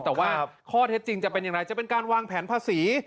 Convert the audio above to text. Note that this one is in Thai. แต่ว่าข้อเท็จจริงจะเป็นอย่างไรจะเป็นการวางแผนภาษี